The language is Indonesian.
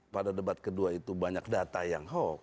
pada debat kedua itu banyak data yang hoax